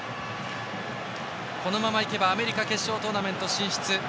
このままいけば、アメリカ決勝トーナメント進出。